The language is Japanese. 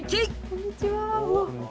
こんにちは。